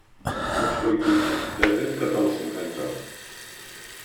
Ну что, Кити, ты опять каталась на коньках?..